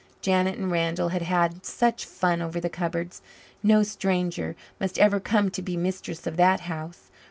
Janet and Randall had had such fun over the cupboards. No stranger must ever come to be mistress of that house.